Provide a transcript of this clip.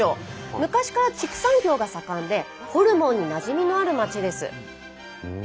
昔から畜産業が盛んでホルモンになじみのある町です。